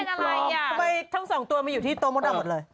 ทำไมทั้งสองไปอยู่ที่โตพะ๊ะหมดเลย